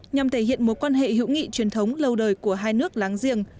nhằm thể hiện mối quan hệ hữu nghị truyền thống lâu đời của hai nước láng giềng